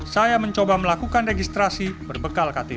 saya mencoba melakukan registrasi berbekal ktp